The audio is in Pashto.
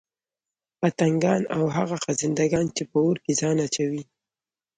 پتنگان او هغه خزندګان چې په اور كي ځان اچوي